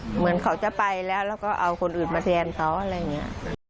เหมือนเขาจะไปแล้วแล้วก็เอาคนอื่นมาแทนเขาอะไรอย่างนี้